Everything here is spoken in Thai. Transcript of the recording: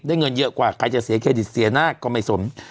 เงินเยอะกว่าใครจะเสียเครดิตเสียหน้าก็ไม่สน